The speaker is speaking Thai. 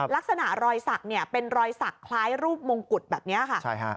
ลักษณะรอยสักเนี่ยเป็นรอยสักคล้ายรูปมงกุฎแบบนี้ค่ะใช่ฮะ